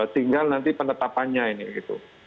tinggal nanti penetapannya ini